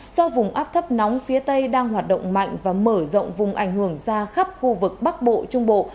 do vùng áp thấp nóng phía tây đang hoạt động mạnh và mở rộng vùng ảnh hưởng ra khắp khu vực bắc bộ trung bộ